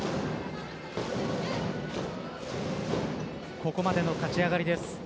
ここまでの勝ち上がりです。